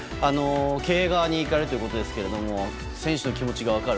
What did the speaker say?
経営側にいかれるということですが選手の気持ちが分かる。